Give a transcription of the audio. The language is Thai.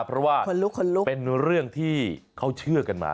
เพราะว่าเป็นเรื่องที่เขาเชื่อกันมา